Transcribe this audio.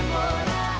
gak usah nanya